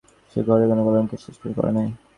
এ ঘরে কোনো কলঙ্ক স্পর্শ করে নাই।